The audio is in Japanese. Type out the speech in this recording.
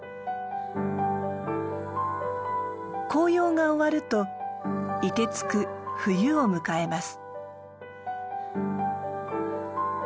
紅葉が終わると凍てつく冬を迎えます。